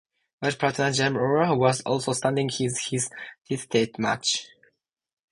Wyeth's partner, James Orr, was also standing in his only Test match.